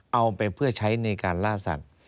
เอาไปเพื่อใช้ในการล่าสัตว์